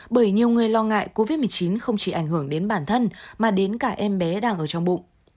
bởi nhiều người lo ngại covid một mươi chín không chỉ ảnh hưởng đến bản thân mà đến cả em bé đang ở trong bụng